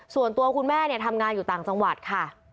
ส่วนตัวคุณแม่ทำงานอยู่ต่างจังหวัดค่ะ